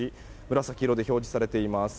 紫色で表示されています。